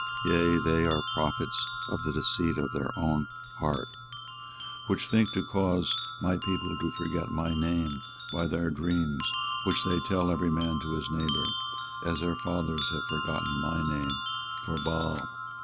yea, they are prophets of the deceit of their own heart; 24:023:027 Which think to cause my people to forget my name by their dreams which they tell every man to his neighbour, as their fathers have forgotten my name for Baal.